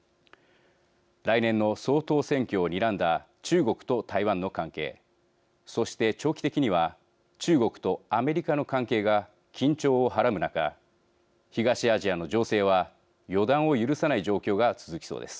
来年の総統選挙をにらんだ中国と台湾の関係そして長期的には中国とアメリカの関係が緊張をはらむ中東アジアの情勢は予断を許さない状況が続きそうです。